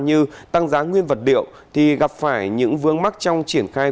như tăng giá nguyên vật liệu thì gặp phải những vương mắc trong triển khai